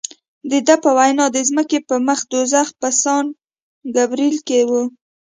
د ده په وینا د ځمکې پر مخ دوزخ په سان ګبرېل کې و.